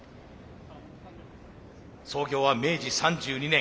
創業は明治３２年。